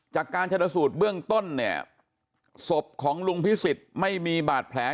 จากการชนสูตรเบื้องต้นเนี่ยศพของลุงพิสิทธิ์ไม่มีบาดแผล